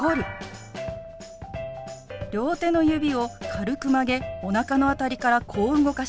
両手の指を軽く曲げおなかの辺りからこう動かします。